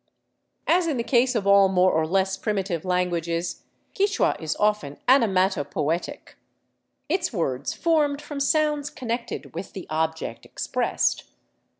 As in the case of all more or less primitive languages, Quichua is often anamatopoetic, — its words formed from sounds connected with the object expressed.